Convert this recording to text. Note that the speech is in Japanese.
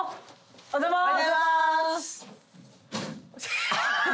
おはようございます！